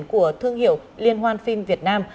của thương hiệu liên hoan phim việt nam